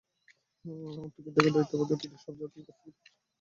Ticket দেখার দায়িত্বপ্রাপ্ত TTE সব যাত্রীর কাছ থেকে নগদ টাকা নিয়ে নিলেন।